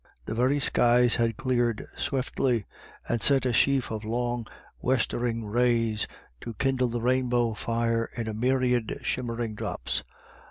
The very skies had cleared swiftly, and sent a sheaf of long westering rays to kindle the rainbow fire in a myriad shimmering drops.